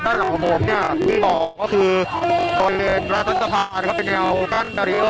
ด้านหลังของผมเนี่ยที่บอกว่าคือเป็นแนวกั้นนะครับ